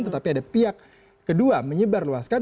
tetapi ada pihak kedua menyebarluaskan